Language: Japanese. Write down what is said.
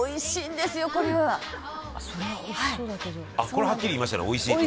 「これはっきり言いましたね美味しいって」